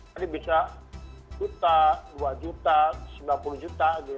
tadi bisa juta dua juta sembahpun juta gitu